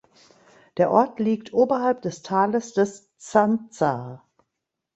Der Ort liegt oberhalb des Tales des T’Santsa.